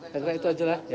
saya kira itu aja lah ya